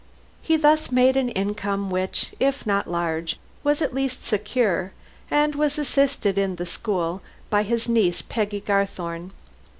He thus made an income which, if not large, was at least secure, and was assisted in the school by his niece, Peggy Garthorne.